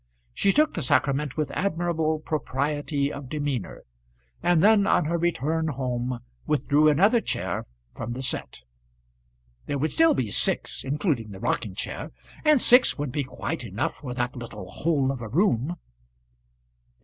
She took the sacrament with admirable propriety of demeanour, and then, on her return home, withdrew another chair from the set. There would still be six, including the rocking chair, and six would be quite enough for that little hole of a room.